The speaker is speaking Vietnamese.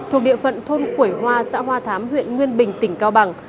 thuộc địa phận thôn khuổi hoa xã hoa thám huyện nguyên bình tỉnh cao bằng